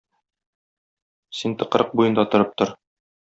Син тыкрык буенда торып тор.